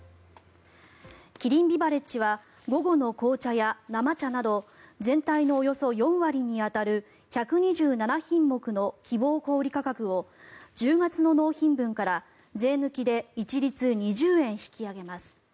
キリンビバレッジは午後の紅茶や生茶など全体のおよそ４割に当たる１２７品目の希望小売価格を１０月の納品分から税抜きで一律２０円引き上げます。